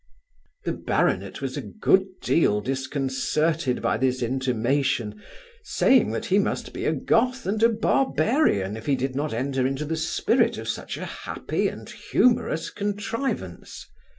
The baronet was a good deal disconcerted by his intimation, saying, that he must be a Goth and a barbarian, if he did not enter into the spirit of such a happy and humourous contrivance.